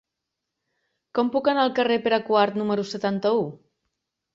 Com puc anar al carrer de Pere IV número setanta-u?